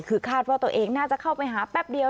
คือคาดว่าตัวเองน่าจะเข้าไปหาแป๊บเดียว